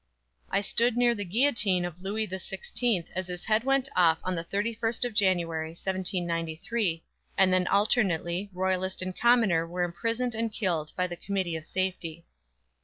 I stood near the guillotine of LOUIS THE SIXTEENTH as his head went off on the 31st of January, 1793, and then alternately, royalist and commoner were imprisoned and killed by the "committee of safety!"